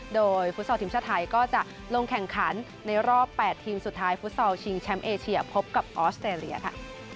โดยฟุตซอลทีมชาติไทยก็จะลงแข่งขันในรอบ๘ทีมสุดท้ายฟุตซอลชิงแชมป์เอเชียพบกับออสเตรเลียค่ะ